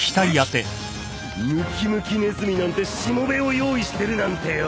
ムキムキねずみなんてしもべを用意してるなんてよ！